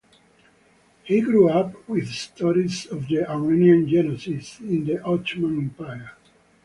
He grew up with stories of the Armenian Genocide in the Ottoman Empire.